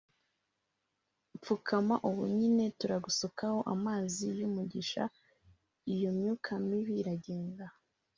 pfukama ubu nyine turagusukaho amazi y’umugisha iyo myuka mibi iragenda